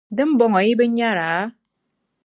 Di ni bɔŋɔ, yi bi nyara?